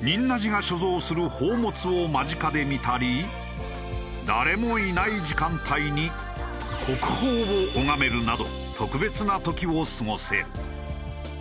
仁和寺が所蔵する宝物を間近で見たり誰もいない時間帯に国宝を拝めるなど特別な時を過ごせる。